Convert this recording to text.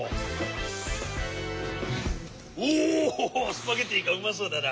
スパゲッティかうまそうだな。